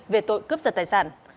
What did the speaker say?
về tội cướp giật tài sản